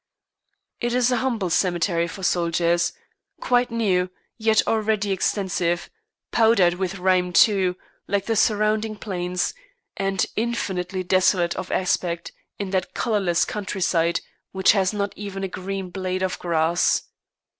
It is a humble cemetery for soldiers, quite new, yet already extensive, powdered with rime too, like the surrounding plains, and infinitely desolate of aspect in that colourless countryside, which has not even a green blade of grass.